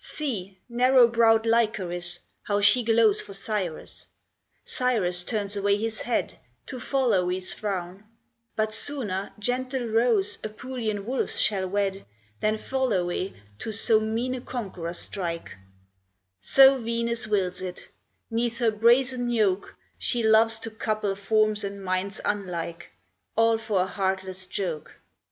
See, narrow brow'd Lycoris, how she glows For Cyrus! Cyrus turns away his head To Pholoe's frown; but sooner gentle roes Apulian wolves shall wed, Than Pholoe to so mean a conqueror strike: So Venus wills it; 'neath her brazen yoke She loves to couple forms and minds unlike, All for a heartless joke.